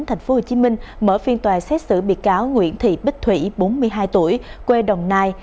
thành phố hồ chí minh mở phiên tòa xét xử biệt cáo nguyễn thị bích thủy bốn mươi hai tuổi quê đồng nai